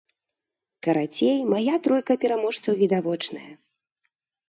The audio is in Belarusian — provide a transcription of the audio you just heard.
Карацей, мая тройка пераможцаў відавочная.